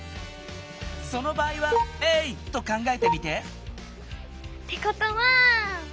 その場合は０と考えてみて！ってことは。